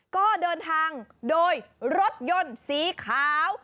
ก็เดินทางโดยรถยนต์สีขาว